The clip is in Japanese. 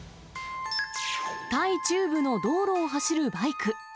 タイ中部の道路を走るバイク。